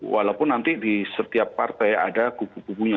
walaupun nanti di setiap partai ada gugup gugunya